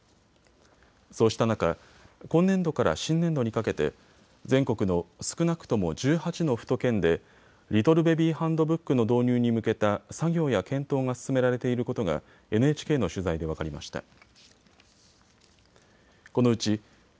そうした中、今年度から新年度にかけて全国の少なくとも１８の府と県でリトルベビーハンドブックの導入に向けた作業や検討が進められていることがＮＨＫの取材で分かりました。